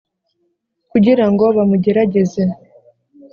, kugira ngo bamugerageze.